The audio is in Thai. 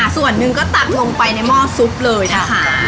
ส่วนหนึ่งก็ตักลงไปในหม้อซุปเลยนะคะ